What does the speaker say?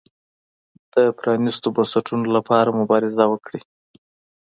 د پرانیستو بنسټونو لپاره مبارزه وکړي.